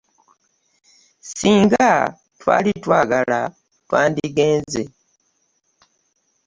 Ssinga twali twagala twandigenze.